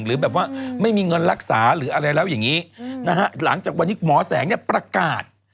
หรือแบบว่าไม่มีเงินรักษาหรืออะไรแล้วอย่างนี้นะฮะหลังจากวันนี้หมอแสงเนี่ยประกาศ